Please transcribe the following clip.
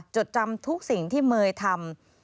จดจำทุกสิ่งที่เมย์ทำ